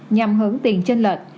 nhằm hưởng tiền trên lệch